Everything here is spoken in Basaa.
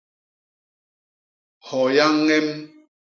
Hoya ññem.